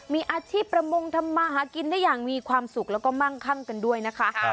มีอาชีพประมงทำมาหากินได้อย่างมีความสุขแล้วก็มั่งคั่งกันด้วยนะคะ